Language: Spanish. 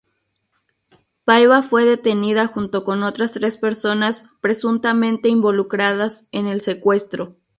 Paiva fue detenida junto con otras tres personas presuntamente involucradas en el secuestro.